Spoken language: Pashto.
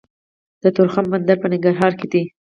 د تورخم بندر په ننګرهار کې دی